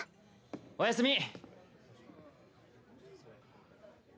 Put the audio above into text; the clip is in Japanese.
おやすみ。